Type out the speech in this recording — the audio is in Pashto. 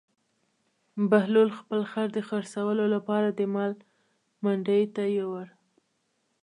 بهلول خپل خر د خرڅولو لپاره د مال منډي ته یووړ.